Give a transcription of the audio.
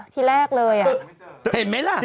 จีน่ามาดิ